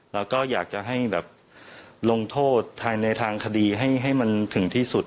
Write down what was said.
เราก็อยากจะให้แบบลงโทษในทางคดีให้มันถึงที่สุด